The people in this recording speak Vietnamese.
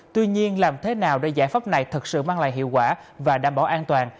tuy nhiên làm thế nào để giải pháp này thật sự mang lại hiệu quả và đảm bảo an toàn